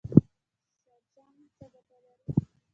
شړشم څه ګټه لري؟